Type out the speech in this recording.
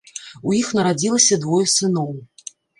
У іх нарадзілася двое сыноў.